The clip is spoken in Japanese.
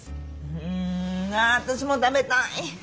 うん私も食べたい！